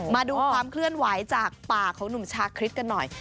มาดูความเคลื่อนไหวจากปากของหนุ่มชาคริสกันหน่อย